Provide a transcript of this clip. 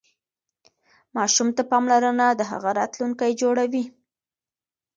ماشوم ته پاملرنه د هغه راتلونکی جوړوي.